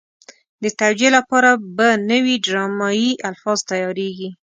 د توجیه لپاره به نوي ډرامایي الفاظ تیارېږي.